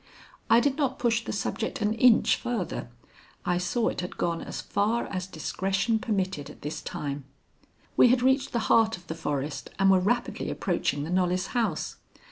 I did not push the subject an inch farther. I saw it had gone as far as discretion permitted at this time. We had reached the heart of the forest and were rapidly approaching the Knollys house.